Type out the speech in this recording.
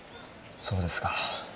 そうですか。